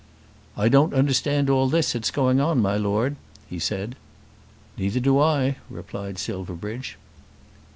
"I don't understand all this that's going on, my Lord," he said. "Neither do I," replied Silverbridge.